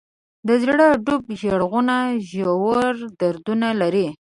د زړه ډوب ږغونه ژور دردونه لري.